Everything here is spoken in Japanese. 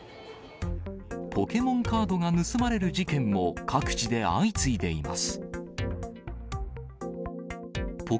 ポケモンカードが盗まれる事件も各地で相次いでいます。